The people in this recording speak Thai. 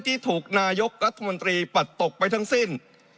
ที่ถูกนายกรัฐมนตรีปัดตกไปทั้งสิ้น